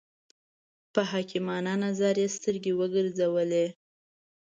په حکیمانه نظر یې سترګې وګرځولې.